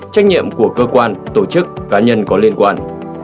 trách nhiệm của cơ quan tổ chức cá nhân có liên quan